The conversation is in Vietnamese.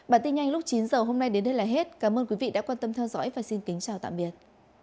bản tin nhanh lúc chín h hôm nay đến đây là hết cảm ơn quý vị đã quan tâm theo dõi và xin kính chào tạm biệt